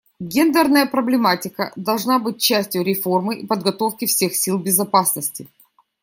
Гендерная проблематика должна быть частью реформы и подготовки всех сил безопасности.